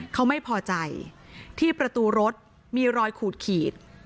เขาไม่พอใจที่ประตูรถมีรอยขูดขีด